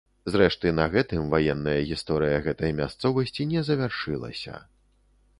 Зрэшты на гэтым ваенная гісторыя гэтай мясцовасці не завяршылася.